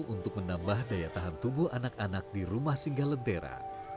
untuk menambah daya tahan tubuh anak anak di rumah singgah lentera